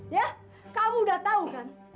ya kamu udah tahu kan